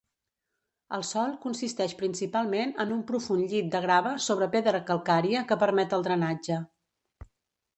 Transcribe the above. El sòl consisteix principalment en un profund llit de grava sobre pedra calcària que permet el drenatge.